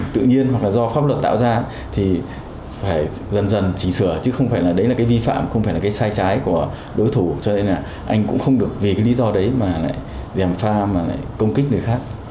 tự nhiên hoặc là do pháp luật tạo ra thì phải dần dần chỉnh sửa chứ không phải là đấy là cái vi phạm không phải là cái sai trái của đối thủ cho nên là anh cũng không được vì cái lý do đấy mà lại dèm pha mà lại công kích người khác